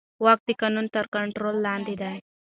واک د قانون تر کنټرول لاندې دی.